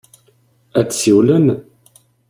Ad d-siwlen?